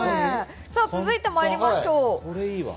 続いてまいりましょう。